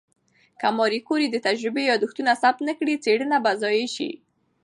که ماري کوري د تجربې یادښتونه ثبت نه کړي، څېړنه به ضایع شي.